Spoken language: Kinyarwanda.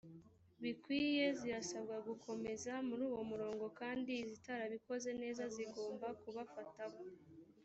bikwiye zirasabwa gukomeza muri uwo murongo kandi iz itarabikoze neza zigomba kubafataho